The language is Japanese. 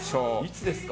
いつですか。